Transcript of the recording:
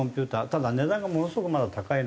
ただ値段がものすごくまだ高いので。